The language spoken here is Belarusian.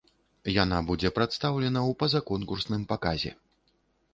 Яна будзе прадстаўлена ў пазаконкурсным паказе.